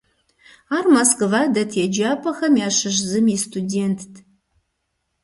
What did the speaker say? Ар Москва дэт еджапӀэхэм ящыщ зым и студентт.